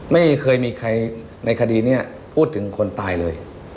ไม่เคยมีใครในคดีนี้พูดถึงคนตายเลย